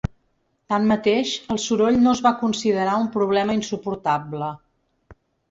Tanmateix, el soroll no es va considerar un problema insuportable.